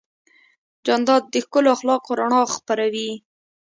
جانداد د ښکلو اخلاقو رڼا خپروي.